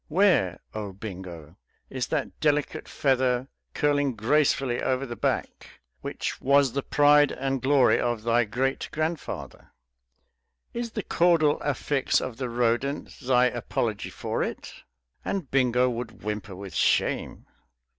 "Where, O Bingo, is that delicate feather curling gracefully over the back, which was the pride and glory of thy great grandfather? Is the caudal affix of the rodent thy apology for it?" And Bingo would whimper with shame.